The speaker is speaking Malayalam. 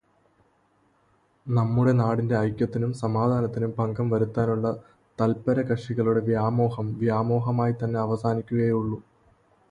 നമ്മുടെ നാടിന്റെ ഐക്യത്തിനും സമാധാനത്തിനും ഭംഗം വരുത്താനുള്ള തല്പരകഷികളുടെ വ്യാമോഹം വ്യാമോഹമായി തന്നെ അവസാനിക്കുകയേ ഉള്ളൂ.